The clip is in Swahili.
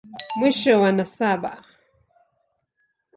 Mwisho wa nasaba.